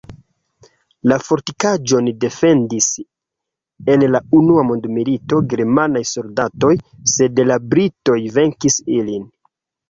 La fortikaĵon defendis en la unua mondmilito germanaj soldatoj, sed la britoj venkis ilin.